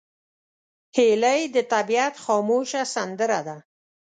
هیلۍ د طبیعت خاموشه سندره ده